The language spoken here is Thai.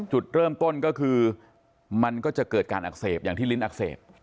จุดเริ่มต้นก็คือมันก็จะเกิดการอักเสบอย่างที่ลิ้นอักเสบ